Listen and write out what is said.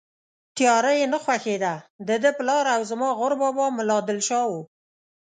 تیاره یې نه خوښېده، دده پلار او زما غور بابا ملا دل شاه و.